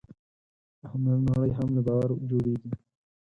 د هنر نړۍ هم له باور جوړېږي.